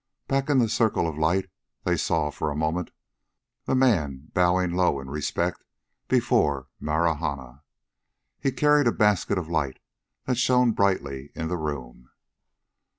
Back in the circle of light they saw, for a moment, the man, bowing low in respect before Marahna. He carried a basket of light that shone brightly in the room.